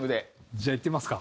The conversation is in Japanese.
じゃあいってみますか。